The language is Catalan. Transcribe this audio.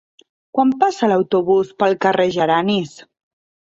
Quan passa l'autobús pel carrer Geranis?